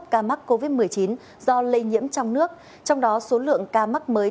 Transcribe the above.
sáu trăm chín mươi một ca mắc covid một mươi chín do lây nhiễm trong nước trong đó số lượng ca mắc mới